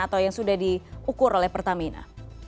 atau yang sudah diukur oleh pertamina